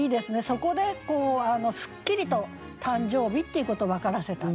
そこでこうすっきりと誕生日っていうことを分からせた。